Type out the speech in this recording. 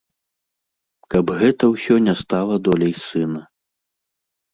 Каб гэта ўсё не стала доляй сына.